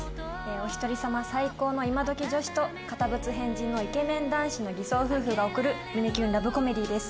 おひとりさま最高の今どき女子と堅物変人のイケメン男子の偽装夫婦が送る胸キュンラブコメディーです